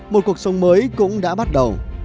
một cuộc sống mới cũng đã bắt đầu